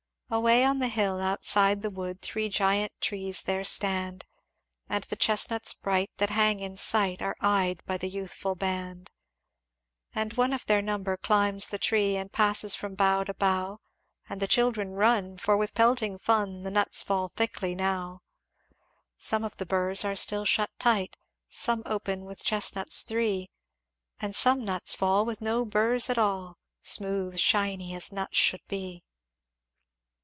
"Away on the hill, outside the wood, Three giant trees there stand; And the chestnuts bright that hang in sight, Are eyed by the youthful band. "And one of their number climbs the tree, And passes from bough to bough, And the children run for with pelting fun The nuts fall thickly now. "Some of the burs are still shut tight, Some open with chestnuts three, And some nuts fall with no burs at all Smooth, shiny, as nuts should be.